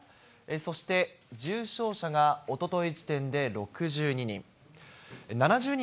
そして重症者がおととい時点で６２人。